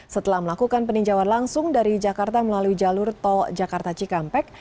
setelah melakukan peninjauan langsung dari jakarta melalui jalur tol jakarta cikampek